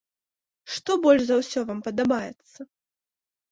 Што больш за ўсё вам падабаецца?